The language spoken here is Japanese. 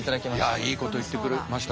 いやいいこと言ってくれました。